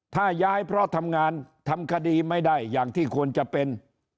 ถ้าย้ายเพราะทำงานทำคดีไม่ได้อย่างที่ควรจะเป็น